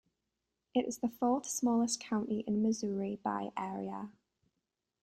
It is the fourth-smallest county in Missouri by area.